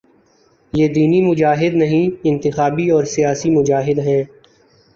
یہ دینی مجاہد نہیں، انتخابی اور سیاسی مجاہد ہیں۔